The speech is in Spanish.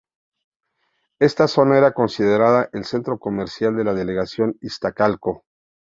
Esta zona era considerada el centro comercial de la delegación Iztacalco.